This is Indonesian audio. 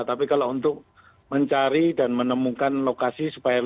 tapi kalau untuk mencari dan menemukan lokasi supaya lebih